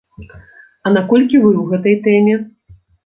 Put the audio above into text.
А наколькі вы ў гэтай тэме?